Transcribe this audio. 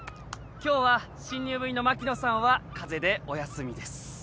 今日は新入部員の牧野さんは風邪でお休みです。